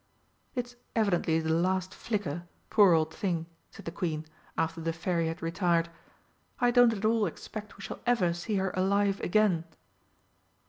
"It's evidently the last flicker, poor old thing!" said the Queen, after the Fairy had retired. "I don't at all expect we shall ever see her alive again!"